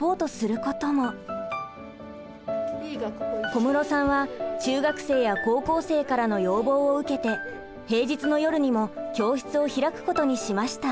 小室さんは中学生や高校生からの要望を受けて平日の夜にも教室を開くことにしました。